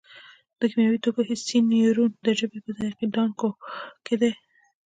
د کیمیاوي توکو حسي نیورون د ژبې په ذایقې دانکو کې دي.